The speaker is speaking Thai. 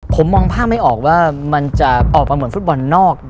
ผมมองภาพไม่ออกว่ามันจะออกมาเหมือนฟุตบอลนอก